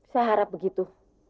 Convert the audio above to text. saya harap begitu